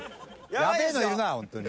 やべえのいるなホントに。